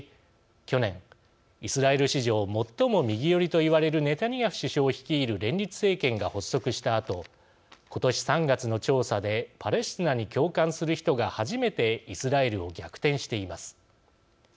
去年イスラエル史上、最も右寄りと言われるネタニヤフ首相率いる連立政権が発足したあと今年３月の調査でパレスチナに共感する人が初めてイスラエルを逆転しています。